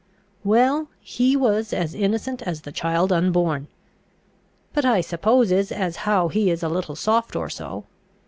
"Well, he was as innocent as the child unborn. But I supposes as how he is a little soft or so.